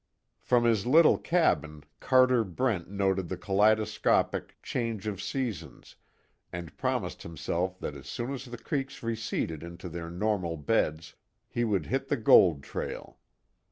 From his little cabin Carter Brent noted the kaleidoscopic change of seasons, and promised himself that as soon as the creeks receded into their normal beds he would hit the gold trail.